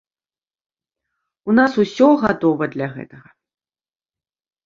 У нас усё гатова для гэтага.